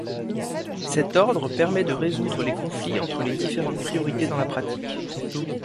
Cet ordre permet de résoudre les conflits entre les différentes priorités dans la pratique.